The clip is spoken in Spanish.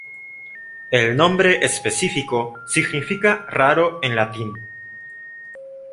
El nombre específico significa "raro" en latín.